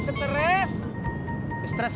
bukan sama kamu